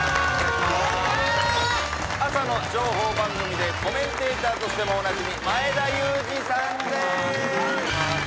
朝の情報番組でコメンテーターとしてもおなじみ前田裕二さんです